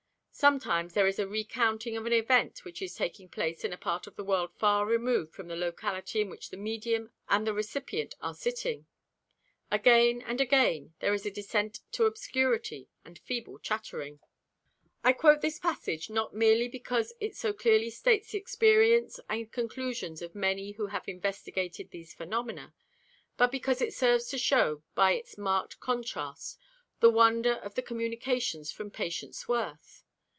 Sometimes there is a recounting of an event which is taking place in a part of the world far removed from the locality in which the medium and the recipient are sitting. Again and again there is a descent to obscurity and feeble chattering." I quote this passage, not merely because it so clearly states the experience and conclusions of many who have investigated these phenomena, but because it serves to show by its marked contrast the wonder of the communications from Patience Worth.